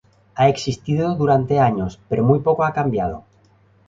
He existido durante años, pero muy poco ha cambiado.